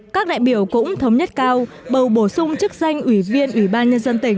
các đại biểu cũng thống nhất cao bầu bổ sung chức danh ubnd